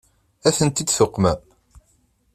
Ad tent-id-tuqmem?